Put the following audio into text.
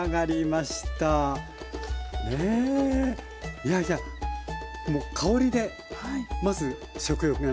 いやいやもう香りでまず食欲がね。